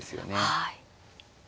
はい。